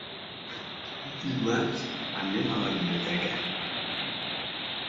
Dimarts anem a la biblioteca.